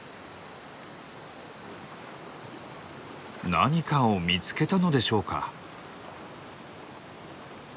何かを見つけたのでしょうか？